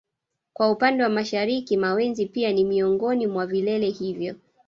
Kwa upande wa mashariki Mawenzi pia ni miongoni mwa vilele hivyo